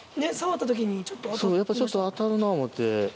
そうちょっと当たるな思うて。